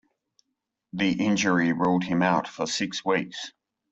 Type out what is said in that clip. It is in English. The injury ruled him out for six weeks.